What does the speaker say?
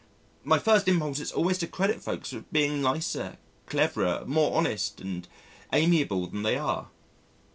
My first impulse is always to credit folk with being nicer, cleverer, more honest and amiable than they are.